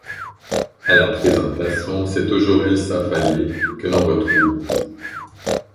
À la présentation, c'est toujours Elsa Fayer que l'on retrouve.